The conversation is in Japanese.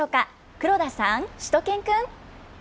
黒田さん、しゅと犬くん。